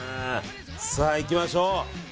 さあ、行きましょう。